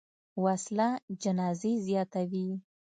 وسله جنازې زیاتوي